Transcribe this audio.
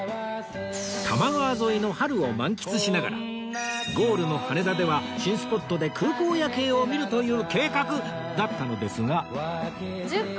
多摩川沿いの春を満喫しながらゴールの羽田では新スポットで空港夜景を見るという計画だったのですが